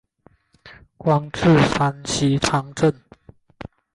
官至山西参政。